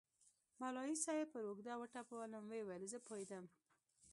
مولوي صاحب پر اوږه وټپولوم ويې ويل زه پوهېدم.